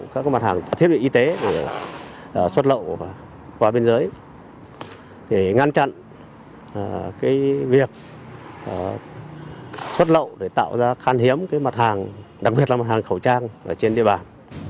các mặt hàng thiết bị y tế để xuất lậu qua biên giới để ngăn chặn việc xuất lậu để tạo ra khan hiếm mặt hàng đặc biệt là mặt hàng khẩu trang trên địa bàn